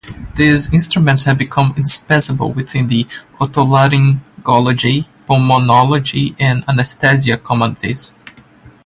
These instruments have become indispensable within the otolaryngology, pulmonology and anesthesia communities.